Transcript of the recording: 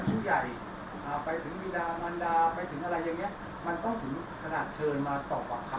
ไปถึงวิดามันระไปถึงอะไรยังเงี้ย